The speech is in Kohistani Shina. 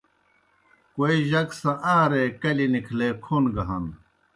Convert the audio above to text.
کوئی جک سہ آن٘رے کلیْ نِکھلے کھون گہ ہنہ۔